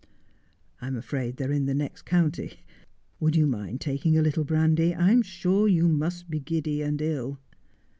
' I'm afraid they're in the next county. Would you mind taking a little brandy ? I'm sure you must be giddy and ill.'